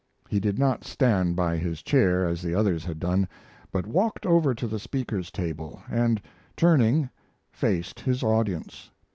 He did not stand by his chair, as the others had done, but walked over to the Speaker's table, and, turning, faced his audience.